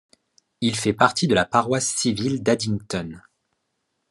Il fait partie de la paroisse civile d'Addington.